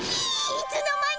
いつの間に！